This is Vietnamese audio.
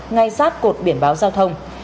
ngay sát cột biển báo giao thông